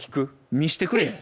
見してくれ。